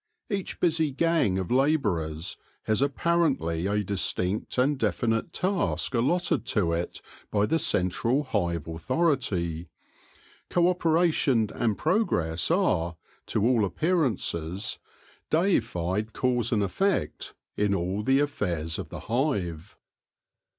Each busy gang of labourers has apparently a distinct and definite task allotted to it by the central hive authority ; co operation and progress are, to all appearances, deified cause and effect in all the affairs of the hive.